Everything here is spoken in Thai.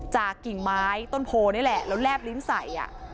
กิ่งไม้ต้นโพนี่แหละแล้วแลบลิ้นใส่